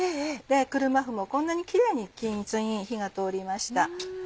車麩もこんなにキレイに均一に火が通りました。